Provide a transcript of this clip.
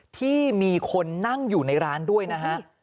ที่มีคนนั่งอยู่ในร้านด้วยนะฮะ